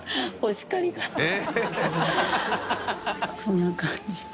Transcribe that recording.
そんな感じで。